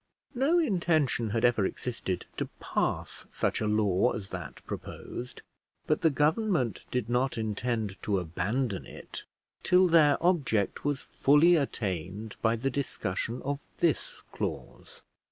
No intention had ever existed to pass such a law as that proposed, but the government did not intend to abandon it till their object was fully attained by the discussion of this clause.